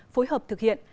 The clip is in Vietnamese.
phối hợp thực hiện